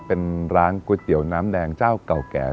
เป็นร้านก๋วยเตี๋ยวน้ำแดงเจ้าเก่าแก่